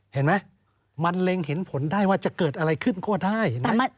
เห็นไหมมันเล็งเห็นผลได้ว่าจะเกิดอะไรขึ้นก็ได้เห็นไหม